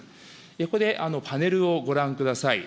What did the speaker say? ここでパネルをご覧ください。